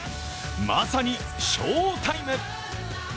まさに、賞タイム。